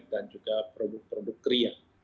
dan juga produk produk kriak